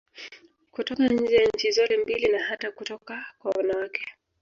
Kutoka nje ya nchi zote mbili na hata kutoka kwa wanawake